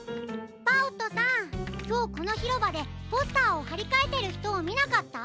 パオットさんきょうこのひろばでポスターをはりかえてるひとをみなかった？